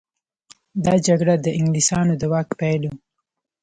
دا جګړه د انګلیسانو د واک پیل و.